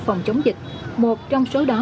phòng chống dịch một trong số đó